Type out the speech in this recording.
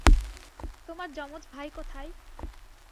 তোমার জমজ ভাই কোথায়?